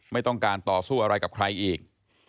ไม่ต้องการต่อสู้อะไรกับใครอีก